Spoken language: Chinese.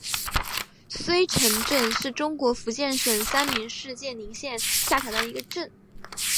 濉城镇是中国福建省三明市建宁县下辖的一个镇。